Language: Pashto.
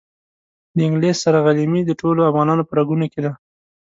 د انګلیس سره غلیمي د ټولو افغانانو په رګونو کې ده.